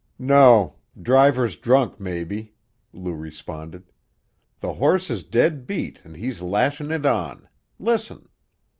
"No; driver's drunk, maybe," Lou responded. "The horse's dead beat an' he's lashin' it on. Listen!"